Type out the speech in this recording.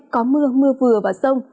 có mưa mưa vừa và rông